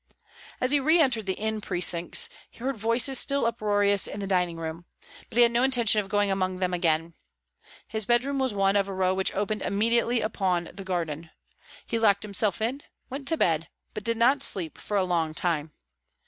As he re entered the inn precincts, he heard voices still uproarious in the dining room; but he had no intention of going among them again. His bedroom was one of a row which opened immediately upon the garden. He locked himself in, went to bed, but did not sleep for a long time.